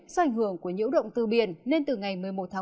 do ảnh hưởng của nhiễu động từ biển nên từ ngày một mươi một tháng một mươi